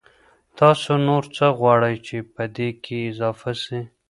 تاسو نور څه غواړئ چي پدې کي اضافه سي؟